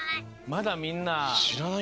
まだみんな。